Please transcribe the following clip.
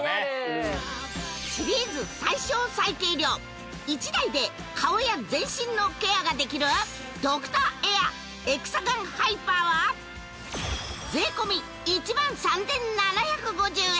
シリーズ最小・最軽量１台で顔や全身のケアができるドクターエアエクサガンハイパーは税込１３７５０円